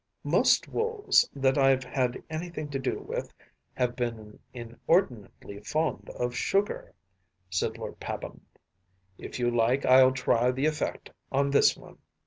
“Most wolves that I’ve had anything to do with have been inordinately fond of sugar,‚ÄĚ said Lord Pabham; “if you like I’ll try the effect on this one.